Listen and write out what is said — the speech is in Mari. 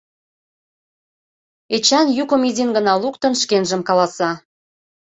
Эчан, йӱкым изин гына луктын, шкенжым каласа.